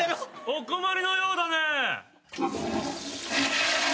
・お困りのようだね！